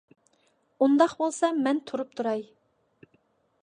ئۇنداق بولسا مەن تۇرۇپ تۇراي.